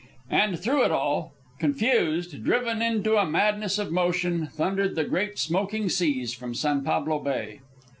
And through it all, confused, driven into a madness of motion, thundered the great smoking seas from San Pablo Bay.